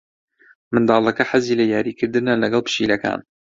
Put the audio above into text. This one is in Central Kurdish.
منداڵەکە حەزی لە یاریکردنە لەگەڵ پشیلەکان.